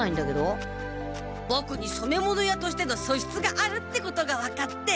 ボクにそめ物屋としてのそしつがあるってことが分かって。